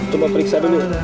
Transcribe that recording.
coba periksa dulu